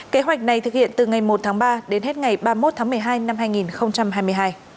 kế hoạch này thực hiện từ ngày một tháng ba đến hết ngày ba mươi một tháng một mươi hai năm hai nghìn hai mươi hai